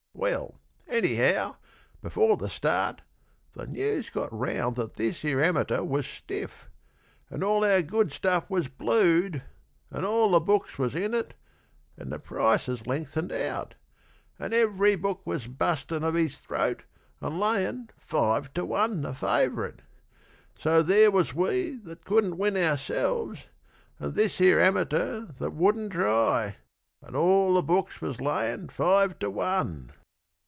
Well, anyhow, before the start, the news Got round that this here amateur was stiff, And our good stuff was blued, and all the books Was in it, and the prices lengthened out, And every book was bustin' of his throat, And layin' five to one the favourite. So there was we that couldn't win ourselves, And this here amateur that wouldn't try, And all the books was layin' five to one.